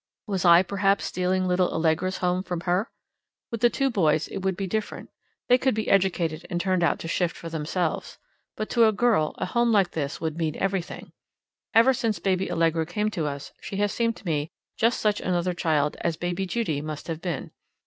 Was I perhaps stealing little Allegra's home from her? With the two boys it would be different; they could be educated and turned out to shift for themselves. But to a girl a home like this would mean everything. Ever since baby Allegra came to us, she has seemed to me just such another child as baby Judy must have been.